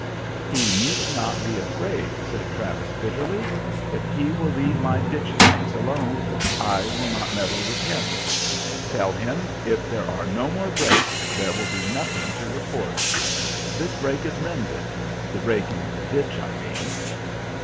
"He need not be afraid," said Travis bitterly. "If he will leave my ditch banks alone, I shall not meddle with him. Tell him, if there are no more breaks there will be nothing to report. This break is mended the break in the ditch, I mean."